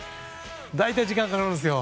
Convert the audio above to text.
大体、時間がかかるんですよ。